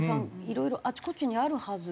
いろいろあちこちにあるはずですよね？